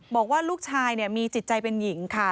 บอกว่าลูกชายมีจิตใจเป็นหญิงค่ะ